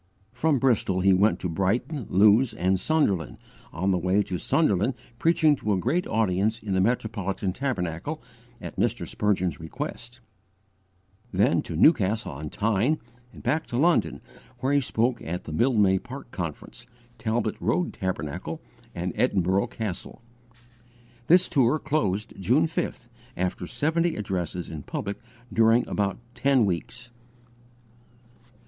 From Bristol he went to Brighton, Lewes, and Sunderland on the way to Sunderland preaching to a great audience in the Metropolitan Tabernacle, at Mr. Spurgeon's request then to Newcastle on Tyne, and back to London, where he spoke at the Mildmay Park Conference, Talbot Road Tabernacle, and 'Edinburgh Castle.' This tour closed, June 5th, after seventy addresses in public, during about ten weeks.